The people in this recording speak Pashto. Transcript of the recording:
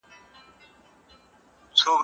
هغه لاملونه چي بيولوژيکي دي رد سول.